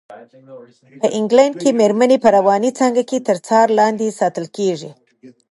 په انګلنډ کې مېرمنې په رواني څانګه کې تر څار لاندې ساتل کېږي.